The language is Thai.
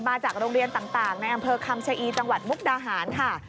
มาจากโรงเรียนต่างในอำเภอคำชะอีจังหวัดมุกดาหารค่ะ